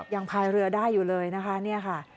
พายเรือได้อยู่เลยนะคะเนี่ยค่ะ